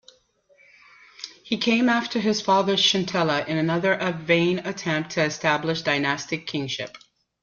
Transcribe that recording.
He came after his father Chintila in another vain attempt to establish dynastic kingship.